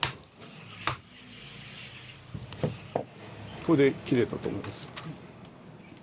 これで切れたと思いますよ。